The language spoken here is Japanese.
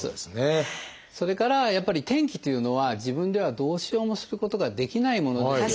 それからやっぱり天気というのは自分ではどうしようもすることができないものですよね。